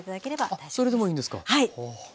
あっそれでもいいんですか。